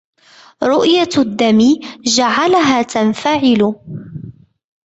رؤية الدم جعلها تنفعل.